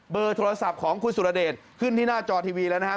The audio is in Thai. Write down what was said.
โทรศัพท์ของคุณสุรเดชขึ้นที่หน้าจอทีวีแล้วนะครับ